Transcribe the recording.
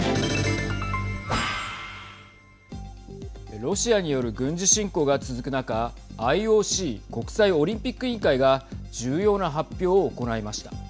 ロシアによる軍事侵攻が続く中ＩＯＣ＝国際オリンピック委員会が重要な発表を行いました。